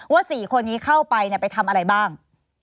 ๔คนนี้เข้าไปไปทำอะไรบ้าง